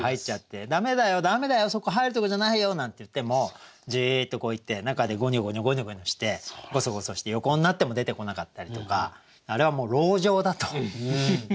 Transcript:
「駄目だよ駄目だよそこ入るとこじゃないよ」なんて言ってもじっとこういって中でごにょごにょごにょごにょしてごそごそして横になっても出てこなかったりとかあれはもう籠城だと。